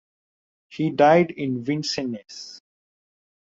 He died in Vincennes.